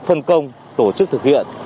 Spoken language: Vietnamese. phân công tổ chức thực hiện